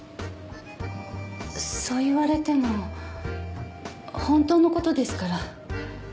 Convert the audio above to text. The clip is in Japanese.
そう言われても本当の事ですから。